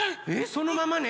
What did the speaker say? そのままね。